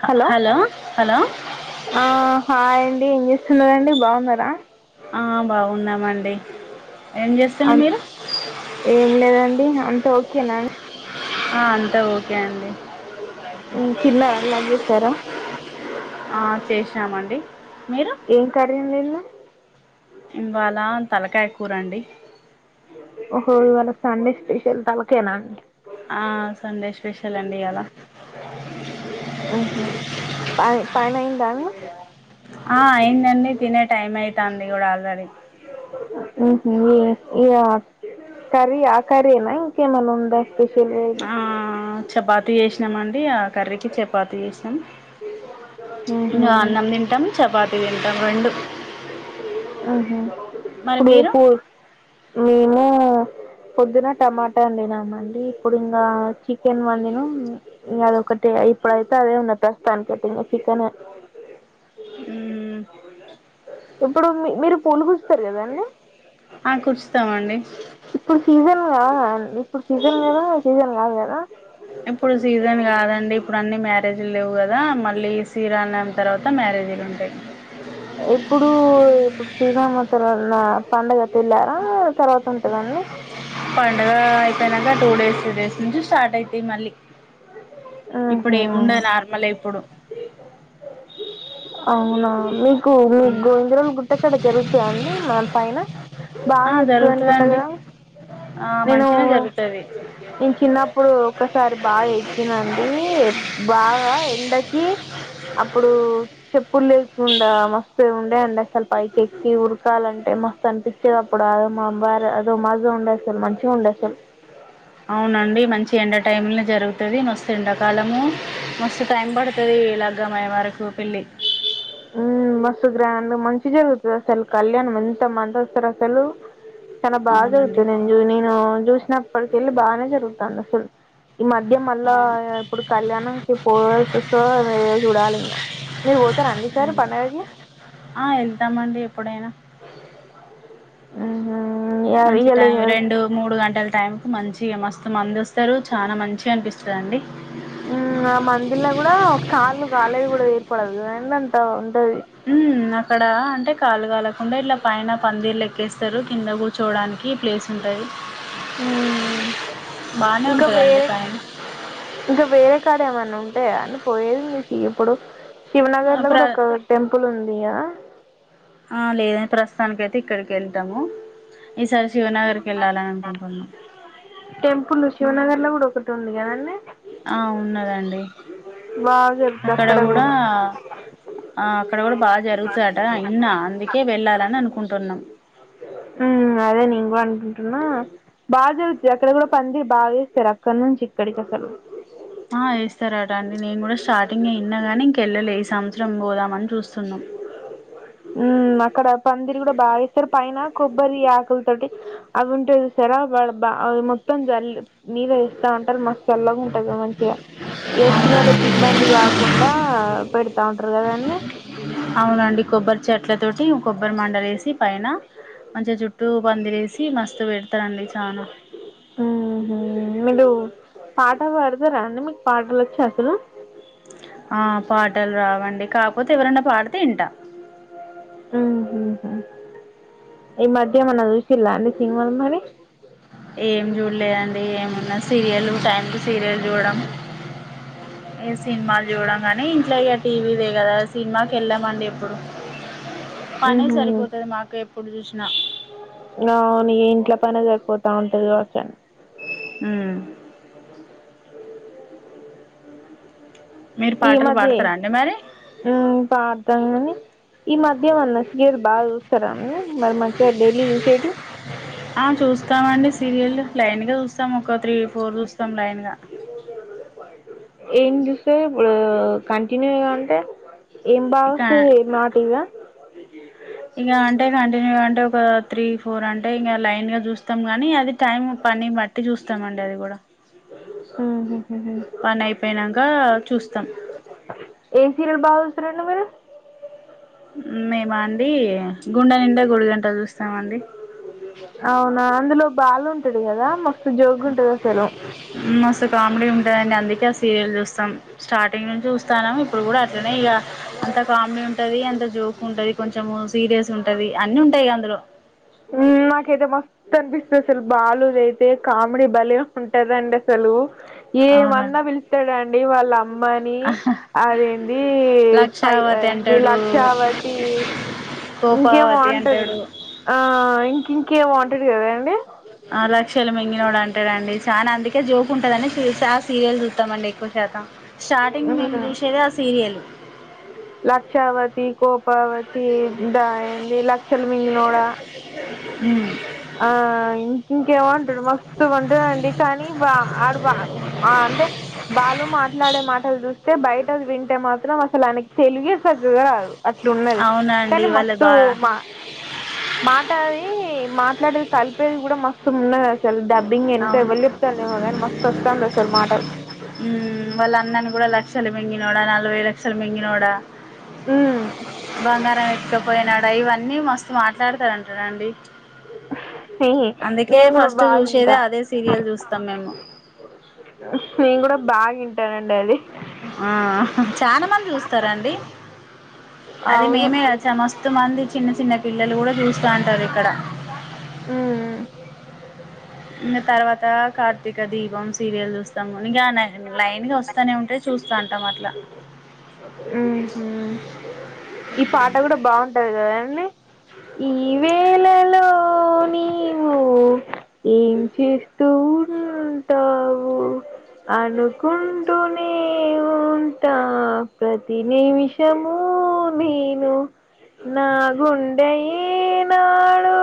హ hello hello ఆ hi అండి, ఏం జెస్ తున్నరండి, బావున్నరా ఆ బాగున్నామండి ఏం చేస్తున్నారు అన్ మీరు ఏం లేదండి అంత ఓకేనాన్ ఆ అంత ఓకే అండి ఉమ్, తిన్నారా లంచ్ చేసారా ఆ చేష్నమండి ఏం కర్రీ వండిన్లు ఇవాలా తలకాయ కూరండి ఓహో ఇవాళ సండే స్పెషల్ తలకయినా అండి ఆ సందేశ్ స్పెషల్ అండి ఇయాల ఉమ్ హ్ పని పనైంద అండి ఆ అయిందండి, తినే టైం అయితాంది గుడ ఆల్రెడీ ఉమ్ హ్ ఏం ఇగా కర్రీ ఆ కర్రీ యేనా ఇంక్ కేమన ఉందా స్పెషల్ వెరైటి చపాతి చేసినమండి ఆ కర్రీకి చపాతి చేస్ ఏ ఇగా అన్నం తింటం చపాతి తింటం రెండు ఆహా మరి ఇప్పుడు మీరు పూ మేము పొద్దున టమాట వండినమండి ఇప్పుడు ఇంగా చికెన్ వండినం ఇగ అదొక్కటె. ఇప్పుడైతే అదే ఉన్నది ప్రస్తుతానికైతే ఇంగ చికెనే మ్మ్ ఇప్పుడు మీ మీరు పూలు గుచ్చుతరు కదండి ఆ కూర్చుతామండి ఇప్పుడు సీజన్ గాదాన్ ఇప్పుడు సీజన్ గదా సీజన్ గాద్ కద ఇప్పుడు సీజన్ గాదండి ఇప్పుడు అన్ని మ్యారేజ్ ల్లేవు గదా, మళ్ళీ శ్రీరామనవమి తర్వాత మ్యా మారేజీలుంటయ్ ఇప్పుడు ఇప్పుడు శ్రీరామ తెల్లారి నా పండుగ తెళ్లారా? తర్వాత ఉంటయ్ పండగ అయిపోయినంక టూ డేస్ త్రీ డేస్ నుంచి స్టార్ట్ అయితాయి మళ్ళీ ఆహా ఇప్పుడేముండదు నార్మలే ఇప్పుడు అవునా మీకు మీగ్గోవిందరాజు గుట్టక్కడ జరుగుతయా అండి మాన్ పైన బాగా ఆ జరుగుతదన్కుంట జరుగుతదండి గదా ఆ నేనూ మంచినే జరుగుతది నేను చిన్నప్పుడు ఒకసారి బాగా ఎక్కిన నఅండి బాగా ఎండకి అప్పుడూ చెప్ చొప్పులు లేకుండా మస్తే ఉండే అండి అసలు పైకి ఎక్కి ఉరకాలంటే మస్తు అనిపించేది అప్పుడు బార అద మాజో ఉండ అసలు మంచిగా ఉండాసలు అవునండి మంచి ఎండ టైం లో జరుగుతుంది మస్తు ఎండాకాలము మస్తు టైం పడుతది ఇలా తగ్గమయ వరకు పెళ్లి మ్మ్ మస్తు గ్రాండ్ మంచి జరుగుతుంది అసలు కళ్యాణ ఎంతమంది వస్తారు అసలు చాలా బాగా అవునండి జరుగుతుంది నేను నేను చూసినప్పటిక వెళ్ళి బాగానే జరుగుతుంది అసలు ఈ మధ్య మద్యం మల్ల అవును ఇప్పుడు కళ్యాణం కి పోల్ చస్త మీ చూడాలి ఇంకా మీరు పోతారా అండి ఈసారి పండగకి ఆ వెళ్తామండి ఎప్పుడైనా మ్మ్ హ్మ్ మంచి టైం రెండు మూడు గంటలు టైం కు మంచి మస్తు మందు వస్తారు చాలా మంచిగా అనిపిస్తదండి హ్మ్ ఆ మందిలో కూడా కాళ్ళు కాలేది కూడా ఏర్పడదు అంత ఉంటది హ్మ్ అక్కడ అంటే కాళ్లు కాలకుండా ఇట్లా పైన పందిరి లెక్క ఎక్కేస్తారు కింద కూర్చోడానికి ఈ ప్లేస్ ఉంటది మ్మ్ బానే ఇంకా ఉంటదండి వేరే పైన ఇంకా వేరే కాడ ఏమన్నా ఉంట అంటే అని పోయేది మీకు ఎప్పుడు ఆ శివనగర్ లో ప్ర కూడా ఒక టెంపుల్ ఉంది ఉంది యా ఆ లేదండి ప్రస్తుతానికి అయితే ఇక్కడికి వెళ్తాము ఈసారి శివనగర్కి వెళ్ళాలని అనుకుంటున్నాం టెంపుల్ శివనగర్ లో కూడా ఒకటి ఉంది కదా అండి ఆ ఉన్నదండి అక్కడ కూడా ఆ అక్కడ కూడా బాగా జరుగుతాట ఇన్న అందుకే వెళ్ళాలని అనుకుంటున్నాం హ్మ్ అదే నేను కూడా అనుకుంటున్న బాగా జరుగుతుంది అక్కడ కూడా పందిరి బాగా వేస్తారు అక్కడ నుంచి ఇక్కడికి అసలు సరే అట అడి నేను కూడా స్టార్టింగే విన్న కానీ ఇంకా వెళ్లలే ఈ సంవత్సరం పోదామని చూస్త హ్మ్ అక్కడ పందిరి కూడా బాగా ఇస్తారు పైన కొబ్బరి ఆకుల తోటి అవి ఉంటాయి చూసారా బాళ బా అ మొత్తం జ అల్ మీద వేస్తా ఉంటారు మస్తు చల్లగా ఉంటుంది కదా మంచిగా ఈ వచ్చిన వాళ్ళకి ఇబ్బంది కాకుండా పెడతా ఉంటారు కదా అన్ని అవునండి కొబ్బరి చెట్లతోటి కొబ్బరి మండలులేసి పైన మంచిగా జుట్టు పందిరేసి మస్తు పెడుతు మ్మ్ హ్మ్ మీరు పాటలు పాడతారా అండి మీకు పాటలు వచ్చా అసలు ఆ పాటలు రావండి కాకపోతే ఎవరన్నా పాడితే ఇంట మ్మ్ ఈ మధ్యమ ఏమన్నా చూసిలా అండి సినిమాలు మరి ఏం చూడలేదండి ఏమున్న సీరియల్ టైంకి సీరియల్ చూడడం ఏ సినిమాలు చూడం కాని ఇంట్లో ఇ టీవీదే కదా సినిమాకి వెళ్ళామండి ఎప్పుడు పనే మ్మ్ హ్మ్ సరిపోతది మాకు ఎప్పుడు చూసినా అవును ఇంట్లో పని సరిపోతా ఉంటది కవచ్చం మ్మ్ మీరు పాటలు పాడుతారా అండి మరి హ్మ్ పాడతా కానీ ఈ మధ్యమ అన్న సీరియల్స్ బాగా చూస్తారా మరి మంచిగా డైలీ చూసేటివి ఆ చూస్తామండి సీరియల్ లైన్ గా చూస్తా చూస్తాం ఒక త్రీ ఫోర్ చూస్తాం లైన్గా ఏం చూస్తే ఇప్పుడు కంటిన్యూ అ అంటే ఏం ఇక బవస్ ఏ మాటివ ఇక అంటే కంటిన్యూ అంటే ఒక త్రీ ఫోర్ అంటే ఇంకా లైన్ గా చూస్తాం గానీ అది టైం పని బట్టి చూస్తాం అండి అది కూడా పని అయిపోయినంక చూస్తాం ఏ సీరియల్ బాగా చూస్తారండి మీరు మేమ అండి గుండె నిండా గడి గంటలు చూస్తామండి అవునా అందులో బాలు అంటాడు కదా మా మస్తు కామెడీ ఉంటదండి అందుకే ఆ సీరియల్ చూస్త స్టార్టింగ్ నుంచి చూస్తాన్నాం ఇప్పుడు కూడా అట్లనే ఇగ అంత కామెడీ ఉంటంది ఎంత జోక్ ఉంటది కొంచెం సీరియస్ ఉంటది అన్ని ఉంటాయి అందులో హు నాకైతే మస్తు అనిపిస్తుంది అసలు బాలు ది అయితే కామెడీ బలే ఉంటదండి అసలు ఏమన్నా అవునండి పిల్తాడా అండి వాళ్ళ అమ్ అమ్మని అదేంది పై లక్షావతి అంటాడు లక్షావతి ఇంకేం కోపావతి అంటారు అంటాడు ఆ ఇంక ఇంకేం అంటారు కదా అండి ఆ లక్షలు మింగినోడు అంటాడు అండి చానా అందుకే జోక్ ఉంటుందని చూ ఆ సీరియల్ చూస్తామండి ఎక్కువ శాతం స్టార్టింగ్ మేము మ్మ్ చూసేదే ఆ సీరియల్ లక్షావతి కో పవతి దా ఏంది లక్షలు మింగినోడా అ ఇంక ఇంకేమ ఉంటాడు మస్తు ఉంటాడండి కానీ ఆడు బా అంటే బా వాళ్ళ మాట్లాడే మాటలు చూస్తే బయట వింటే మాత్రం అసలు ఆయనకి తెలుగే సక్కగా రాదు అట్లు ఉన్నది అవునండి కానీ వాళ్ళ మస్తు బా మా మాట అది మా మాట్లాడేది కలిపేది కూడా మస్తు ఉన్నది అసలు ఢ అవును వస్తాంది అసలు మాటలు హు వాళ్ళ అన్నని కూడా లక్షలు మెంగినోడా నలభై లక్షలు మింగినోడా ఉమ్ బంగారం ఎత్తుకుపోయినోడా ఇవన్నీ మస్తు మాట్లాడతారంటాడాండి నేను కూడా ఫస్ట్ బాగా ఇంట చూసేదే అదే సీరియల్ చూస్తాం మేము [inaudible] నేను కూడా బాగా వింటానండి అది హు చానా మంది చూస్తారాండి అది అవును మేమే గా మస్తు మంది చిన్న చిన్న పిల్లలు కూడా చూస్తా ఉంటారు ఇక్కడ ఉహు ఇంగా తర్వాత కార్తీక దీపం సీరియల్ చూస్తాము ఇంగా లైన్ గా వస్తానే ఉంటే చూ చూస్తాంటాం అట్లా ఉహు ఈ పాట కూడా బాగుంటది కదా అండి ఈవేళలో నీవు ఏం చేస్తూ ఉంటావు అను కుంటనే ఉంటా ప్రతి నిమిషముూ నేను నా గుండె ఏనాడు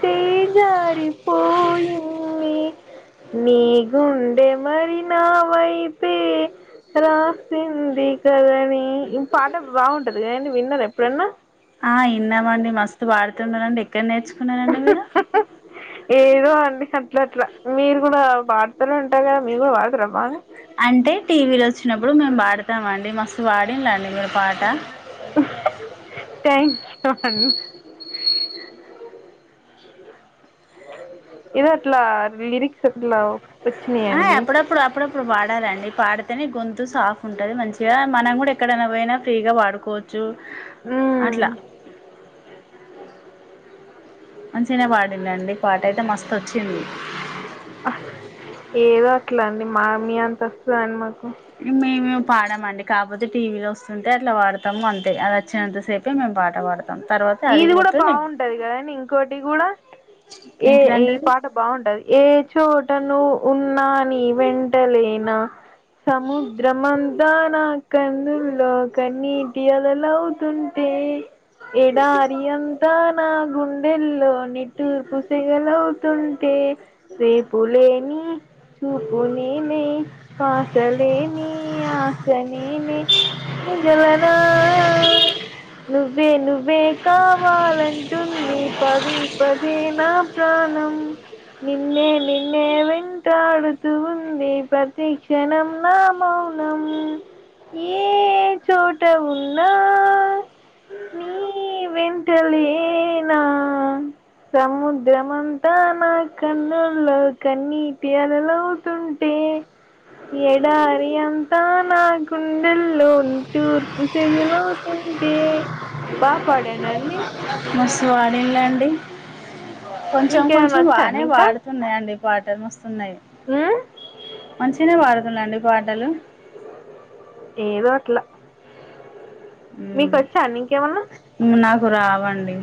చేయి జారిపోయింది నీ గుండే మరి నా వైపే రాసింది తలని ఈ పాట బాగుంటది కదా అండి విన్నారా ఎప్పుడన్నా ఆ ఇన్నామండి మస్తు పాడుతున్నారండి ఎక్కడ నేర్చుకు ఏదో అండి అ ఇట్లా అట్లా మీరు కూడా పాడతారంట కదా మీరు కూడా పాడతారా బానే అంటే టీవీలో వచ్చినప్పుడు మేము పడుతామ అండి మస్తు పాడిలు అండి మీరు పాట థ్యాంక్యూ అండ్ ఇది అట్లా లిరిక్ ఆ అప్పుడప్పుడు అప్పుడప్పుడు పాడాలండి పాడితేనె గొంతు సాఫ్ ఉంటది మంచిగా మనం గుడ ఎక్కడైన పోయిన ఫ్రీగా పాడుకోవచ్చు అట్లా మ్మ్ మంచిగనే పాడిందండి పాటైతే మస్తొచ్చింది ఏదో అట్ల అండి మా మీ అంత వస్తదా అండి మాకు మేమేం పాడమండి కాక్పోతే టీవీలో వస్తుంటే అట్ల పాడతాము అంతే అదొచ్చినంతసేపే మేం పాట పాడతాం తర్వాత అది ఈది గూడ పోతే బావుంటది కదని ఇంకోటి గూడ ఏ ఏంటిదండి ఈ అది పాట బావుంటది ఏ చోట్ అట్టనువ్ ఉన్నా నీ వెంటలేన సముద్రమంతా నాకన్నుల్లో కన్నీటి అలలవ్ తుంటే ఎడారి అంతా నా గుండెల్లో నిట్టూర్పు సెగలవ్తుంటే రేపులేని చూపు నేనే శ్వాస లేనీ ఆశ నేనే మిగలనా ఆ నువే నువే వేకావాలంటుందీ పదే పదే నా ప్రాణం నిన్నే నిన్నే వెంటాడుతు ఉందీ ప్రతి క్షణం నామౌ నం ఏ చోట ఉన్నా నీ వెంటలేనా సముద్రం అంతా నా కన్నుల్లో కన్నీటి అలలవ్ తుంటే ఏ ఎడారి అంతా నా గుండెల్లో నిట్టూర్పు సెగలవుతుం టే బా పాడ్యానా అండీ మస్సు పాడిల్లండి కొంచం మీకేమైనా కొంచం వచ్చా వానే అండి ఇంకా పాడుతున్నయండి పూ వాటర్ మస్తున్నయ్ ఉమ్, మంచిగానే పాడుతుందండి వాడ్డలు ఏదో అట్ల మీకొచ్చాన్ ఇంకేమన్న నాకు రావండి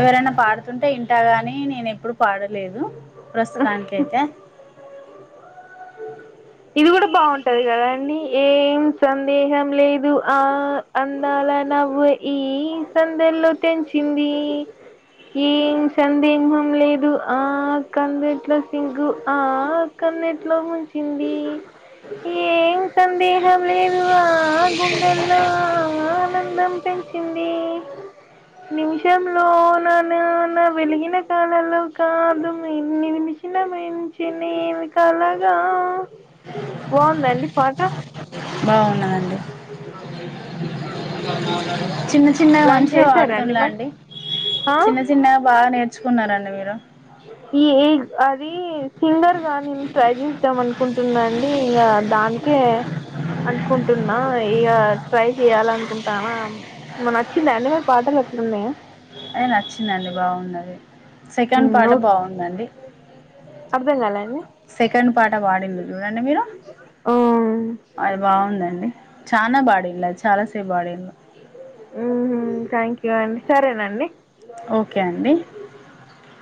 ఎవరైనా పాడుతుంటే ఇంటా గాని నేను ఎప్పుడు పాడలేదు ప్రస్తుతానికైతే ఇది గుడ బావుంటది కద అండి ఏం సందేహం లేదు ఆ అందాల నవ్వు ఈ సందెల్లొ తెంచిందీ ఏం సందింహం లేదు ఆ కందిట్లో సిగ్గు ఆ కందిట్ ట్లో ఉంచి సందేహం లేదు ఆ గుండెల్లో ఆ ఆనందం పెంచింది నిమ్షం లోనన్ నాన్న వెలిగిన కాలంలో కాదు మీ నిమిష్ చిన్న మించినీవి కలగా బావుందండి పాట బాగున్నదండి చిన్న చిన్న లంచ్ మంచిగ చేసారండి వాడుతుంద మరి అండి ఆ చిన్న చిన్నగ బాగ నేర్చుకున్నారండి మీరు ఈ ఏగ్ అదీ సింగర్గా నేన్ ట్రై జేస్తాం అనుకుంటున్నా అండీ ఇంగా దానికే అనుకుంటున్నా ఇగ ట్రై జేయాలనుకుంటానా నచ్చిందా అండి మీ పాటలు అట్లున్నయా ఐ నచ్చిందండి బావున్నదే సెకండ్ పాట బావుందండి అర్ధం కాలా అండి సకండ్ పాట పాడింది చూడండి మీరు అది బాగుందండి చాలనా పాడీలుది చాలాసేపు పాడీలు ఉహు థ్యాంక్ యూ అండి సరేనండి ఓకే అండి